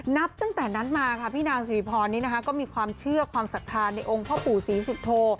นับตั้งแต่นั้นมาค่ะพี่นางสิริพรนี้นะคะก็มีความเชื่อความศรัทธาในองค์พ่อปู่ศรีสุโธ